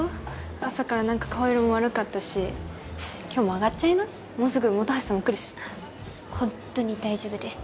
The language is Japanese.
朝から何か顔色も悪かったし今日もうあがっちゃいなもうすぐ本橋さんも来るしホントに大丈夫です